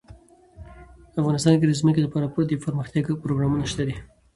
افغانستان کې د ځمکه لپاره پوره دپرمختیا پروګرامونه شته دي.